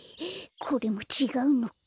これもちがうのか。